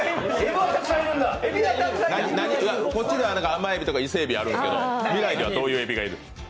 こっちでは甘海老とか伊勢海老とかいるんですけど未来にはどういうエビがいる？